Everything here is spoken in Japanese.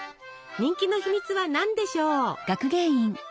人気の秘密は何でしょう？